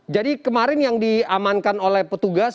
jadi kemarin yang diamankan oleh petugas